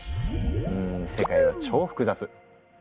うん世界は超複雑。